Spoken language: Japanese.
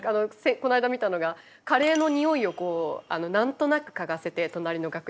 この間見たのがカレーの匂いを何となく嗅がせて隣の楽屋から。